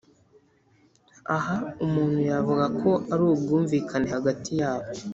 Aha umuntu yavuga ko ari ubwumvikane hagati yabo